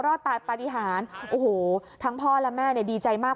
รอดตายปฏิหารโอ้โหทั้งพ่อและแม่เนี่ยดีใจมาก